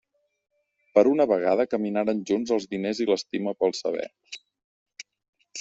Per una vegada caminaren junts els diners i l'estima pel saber.